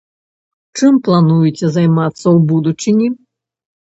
Чым плануеце займацца ў будучыні?